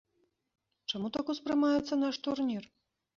Чаму так успрымаецца наш турнір?